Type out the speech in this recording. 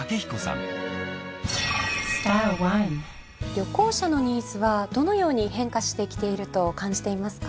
旅行者のニーズはどのように変化してきていると感じていますか？